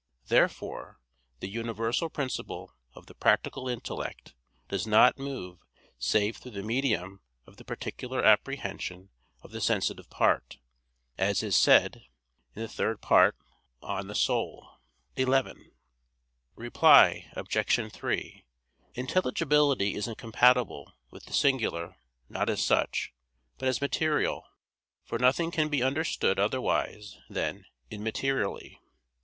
Therefore the universal principle of the practical intellect does not move save through the medium of the particular apprehension of the sensitive part, as is said De Anima iii, 11. Reply Obj. 3: Intelligibility is incompatible with the singular not as such, but as material, for nothing can be understood otherwise than immaterially.